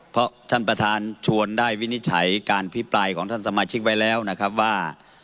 เพราะท่านประธานชวนได้วินิจฉัยการพิปรายของท่านสมาชิกไว้แล้วนะครับว่า